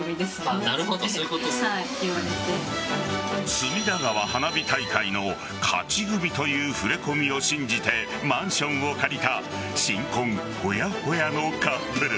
隅田川花火大会の勝ち組という触れ込みを信じてマンションを借りた新婚ホヤホヤのカップル。